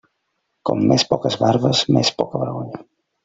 Com més poques barbes, més poca vergonya.